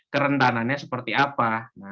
kerendanannya seperti apa